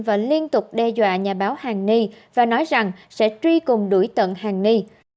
và liên tục đe dọa nhà báo hằng ni và nói rằng sẽ truy cùng đuổi tận hằng ni